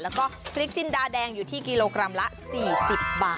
แล้วก็พริกจินดาแดงอยู่ที่กิโลกรัมละ๔๐บาท